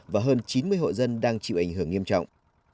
và hơn chín mươi hộ dân đang chịu ảnh hưởng nghiêm trọng